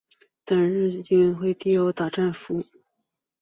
但日军会暗地殴打战俘。